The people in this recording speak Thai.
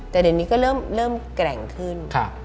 แต่ในวันนี้ก็เริ่มแกร่งขึ้น